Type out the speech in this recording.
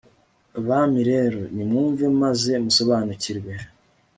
bami rero, nimwumve maze musobanukirwe